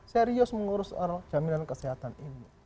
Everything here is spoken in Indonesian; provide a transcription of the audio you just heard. serius mengurus jaminan kesehatan ini